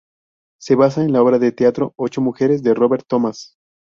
Se basa en la obra de teatro "Ocho mujeres", de Robert Thomas.